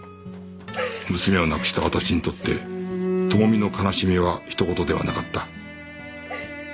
娘を亡くした私にとって知美の悲しみはひとごとではなかった